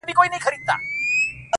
• د غلا په جرم به پاچاصاب محترم نیسې.